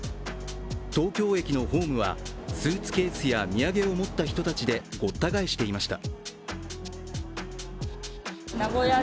東京駅のホームは、スーツケースや土産を持った人たちでごった返していました。